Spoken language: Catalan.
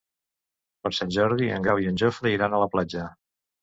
Per Sant Jordi en Grau i en Jofre iran a la platja.